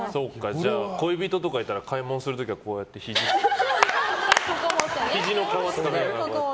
じゃあ、恋人とかいたら買い物する時はこうやってひじの皮つかみながら。